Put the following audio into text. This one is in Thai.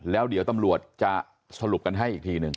แล้วเดี๋ยวตำรวจจะสรุปกันให้อีกทีหนึ่ง